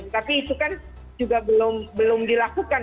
tapi itu kan juga belum dilakukan